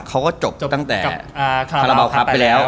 เขาก็จบตั้งแต่คาราบาลครับไปแล้ว